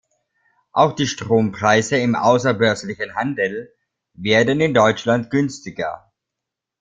Auch die Strompreise im außerbörslichen Handel werden in Deutschland günstiger.